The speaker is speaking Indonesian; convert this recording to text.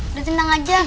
udah tenang aja